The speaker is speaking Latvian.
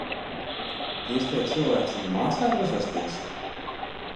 Diez tie cilvēciņi mācēja uzvesties?